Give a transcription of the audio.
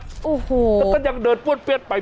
แล้วก็ต้องเดินป้วนเปรี้ยนไป